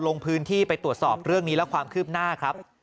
ลงพื้นที่ไปตรวจสอบเรื่องนี้และความคืบหน้าครับ